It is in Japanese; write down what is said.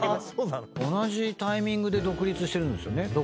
同じタイミングで独立してるんですよね。